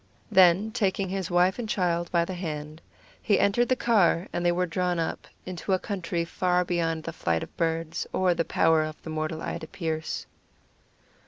Then taking his wife and child by the hand, he entered the car, and they were drawn up into a country far beyond the flight of birds, or the power of mortal eye to pierce.